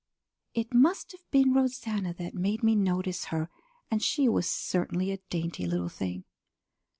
It must have been Rosanna that made me notice her, and she was certainly a dainty little thing.